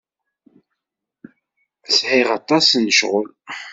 Sɛiɣ aṭas n ccɣel.